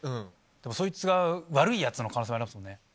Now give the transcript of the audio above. でもそいつが悪いヤツの可能性ありますもんね。